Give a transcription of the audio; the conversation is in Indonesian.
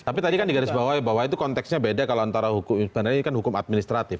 tapi tadi kan di garis bawah itu konteksnya beda kalau antara hukum administratif